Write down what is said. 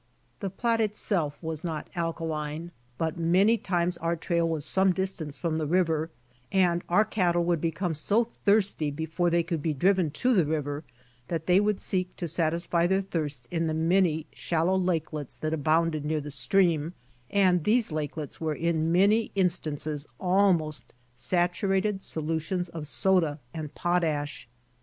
The Platte itself was not alkaline, but many times our trail was some distance from the river, and our cat tle would become so thirsty before they could be driven to the river^ that they would seek to satisfy their thirst in the manv shallow lakelets that 48 BY ox TEAM TO CALIFORNIA abounded near the stream, and these lakelets were in many instances almost saturated solutions of soda and potash.